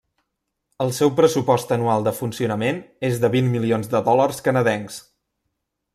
El seu pressupost anual de funcionament és de vint milions de dòlars canadencs.